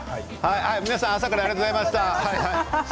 皆さん、朝からありがとうございました。